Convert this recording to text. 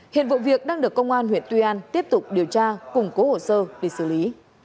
hiện vụ việc đang được công an huyện tuy an tiếp tục điều tra củng cố hồ sơ để xử lý